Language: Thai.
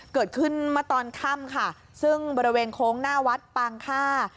เกิดขึ้นเมื่อตอนค่ำค่ะซึ่งบริเวณโค้งหน้าวัดปางค่า